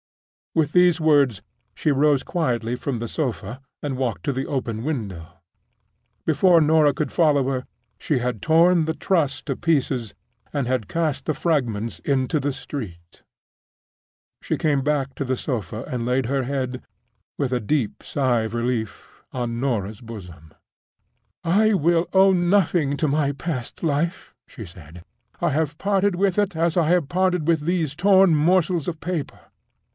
With those words, she rose quietly from the sofa, and walked to the open window. Before Norah could follow her, she had torn the Trust to pieces, and had cast the fragments into the street. She came back to the sofa and laid her head, with a deep sigh of relief, on Norah's bosom. "I will owe nothing to my past life," she said. "I have parted with it as I have parted with those torn morsels of paper.